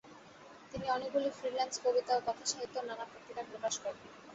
তিনি অনেকগুলি ফ্রিল্যান্স কবিতা ও কথাসাহিত্য নানা পত্রিকায় প্রকাশ করেন।